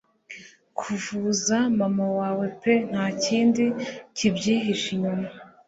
kuvuza mama wawe pe ntakindi kibyihishe inyuma